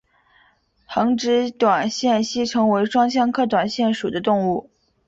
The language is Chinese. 横殖短腺吸虫为双腔科短腺属的动物。